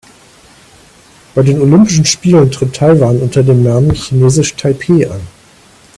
Bei den Olympischen Spielen tritt Taiwan unter dem Namen „Chinesisch Taipeh“ an.